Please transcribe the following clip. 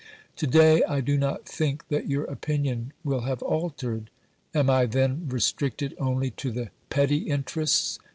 To day I do not think that your opinion will have altered. Am I then restricted only to the petty interests